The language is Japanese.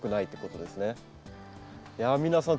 いや皆さん